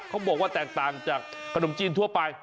เขาบอกว่าแตกต่างจากขนมจีนทั่วไป